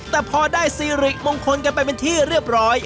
แต่พอได้ซีริมงคลกันไปเป็นที่เรียบร้อย